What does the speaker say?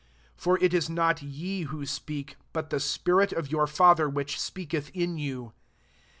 ] 20 For it is not ye who speak, but the spirit of your Father which speaketh in you.